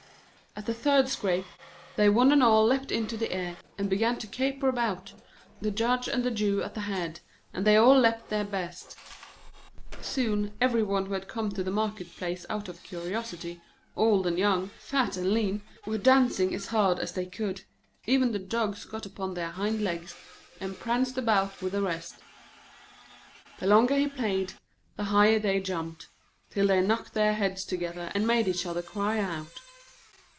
At the third scrape they one and all leapt into the air, and began to caper about, the Judge and the Jew at the head, and they all leapt their best. Soon, every one who had come to the market place out of curiosity, old and young, fat and lean, were dancing as hard as they could; even the dogs got upon their hind legs, and pranced about with the rest. The longer he played, the higher they jumped, till they knocked their heads together, and made each other cry out.